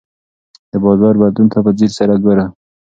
د بازار بدلون ته په ځیر سره ګوره.